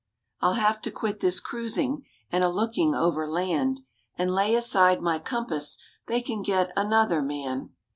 I'll have to quit this cruising, And a looking over land, And lay aside my compass, They can get another man.